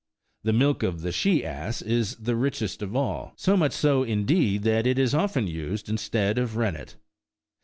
The milk of the she ass is the richest of all, so much so, indeed, that it is often used instead of rennet.